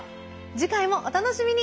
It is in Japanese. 次回もお楽しみに。